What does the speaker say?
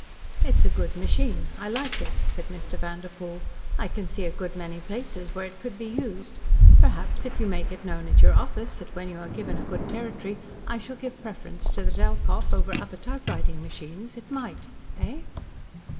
"It is a good machine. I like it," said Mr. Vanderpoel. "I can see a good many places where it could be used. Perhaps, if you make it known at your office that when you are given a good territory, I shall give preference to the Delkoff over other typewriting machines, it might eh?"